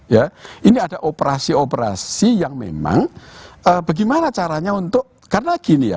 ya ini ada operasi operasi yang memang bagaimana caranya untuk karena gini ya